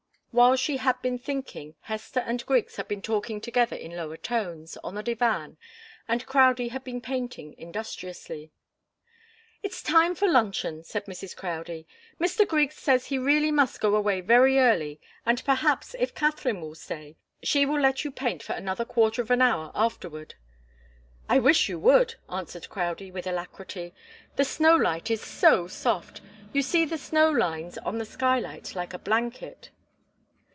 While she had been thinking, Hester and Griggs had been talking together in lower tones, on the divan, and Crowdie had been painting industriously. "It's time for luncheon," said Mrs. Crowdie. "Mr. Griggs says he really must go away very early, and perhaps, if Katharine will stay, she will let you paint for another quarter of an hour afterward." "I wish you would!" answered Crowdie, with alacrity. "The snow light is so soft you see the snow lies on the skylight like a blanket."